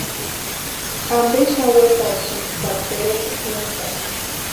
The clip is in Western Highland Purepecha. ¿Ampe xani wetarhisïnki pari terekwa úntani?